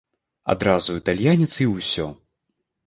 Адразу італьянец і ўсё.